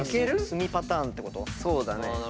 そうだね。